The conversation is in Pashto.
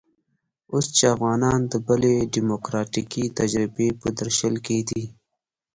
اوس چې افغانان د بلې ډيموکراتيکې تجربې په درشل کې دي.